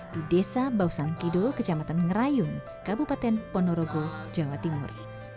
di desa bausangkido kejamatan ngerayun kabupaten ponorogo jawa timur